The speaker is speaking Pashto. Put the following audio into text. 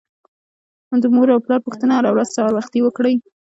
د مور او پلار پوښتنه هر ورځ سهار وختي وکړئ.